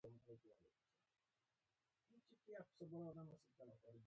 د افغانانو د هیواد پالنې احساسات یې هڅول او پیاوړي یې کول.